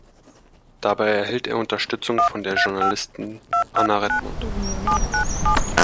Dabei erhält er Unterstützung von der Journalistin Anna Redmond.